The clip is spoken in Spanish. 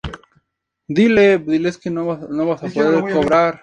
Sus obras están relacionadas en su mayor parte con la nueva objetividad.